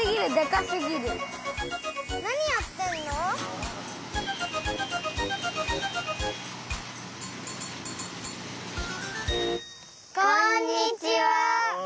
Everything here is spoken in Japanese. こんにちは。